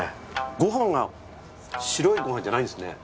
ご飯が白いご飯じゃないんですね。